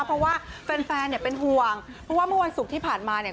เพราะว่าแฟนแฟนเนี่ยเป็นห่วงเพราะว่าเมื่อวันศุกร์ที่ผ่านมาเนี่ย